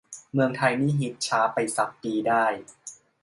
เมืองไทยนี่ฮิต ช้าไปซัก ปีได้